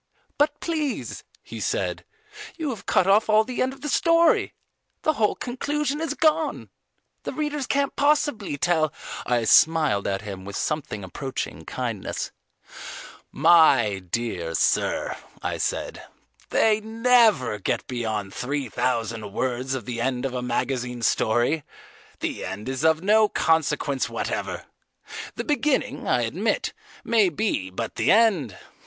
"But please," he said, "you have cut off all the end of the story: the whole conclusion is gone. The readers can't possibly tell, " I smiled at him with something approaching kindness. "My dear sir," I said, "they never get beyond three thousand words of the end of a magazine story. The end is of no consequence whatever. The beginning, I admit, may be, but the end!